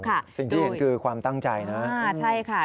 สิ่งที่เห็นคือความตั้งใจนะใช่ค่ะ